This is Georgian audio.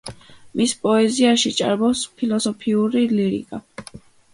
მის პოეზიაში ჭარბობს ფილოსოფიური ლირიკა.